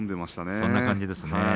そんな感じですね。